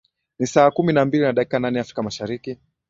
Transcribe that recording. ni saa kumi na mbili na dakika nane afrika mashariki